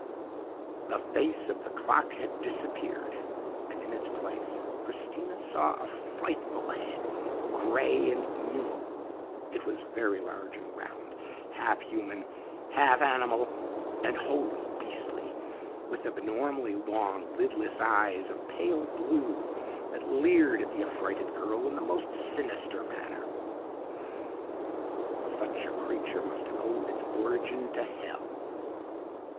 "The face of the clock had disappeared, and in its place Christina saw a frightful head grey and evil. It was very large and round, half human, half animal, and wholly beastly, with abnormally long, lidless eyes of pale blue that leered at the affrighted girl in the most sinister manner. "Such a creature must have owed its origin to Hell.